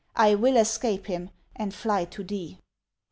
I will escape him, and fly to thee.